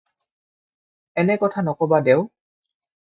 এনে কথা নক'বা দেও।